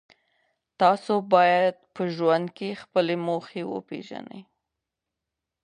تاسو باید په ژوند کې خپلې موخې وپېژنئ.